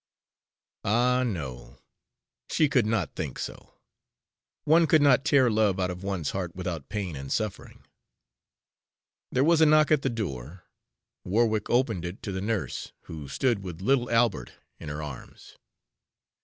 Ah, no! she could not think so. One could not tear love out of one's heart without pain and suffering. There was a knock at the door. Warwick opened it to the nurse, who stood with little Albert in her arms.